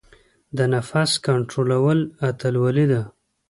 د نفس کنټرول اتلولۍ ده.